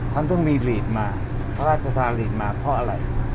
ท่านต้องมีฤทธิ์มาพระราชธาฤทธิ์มาเพราะอะไร